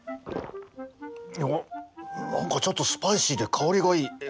おお何かちょっとスパイシーで香りがいい！